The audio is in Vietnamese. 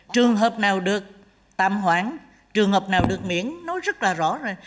trường hợp nào được tạm hoãn trường hợp nào được miễn nói rất là rõ rồi